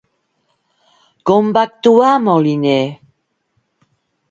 Com va actuar Moliner?